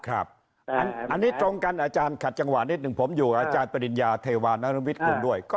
อันนี้ตรงกันอาจารย์ขัดจังหวะนิดหนึ่งผมอยู่อาจารย์ปริญญาเทวานรุวิทย์กรุงด้วย